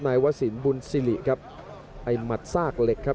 วสินบุญสิริครับไอ้หมัดซากเหล็กครับ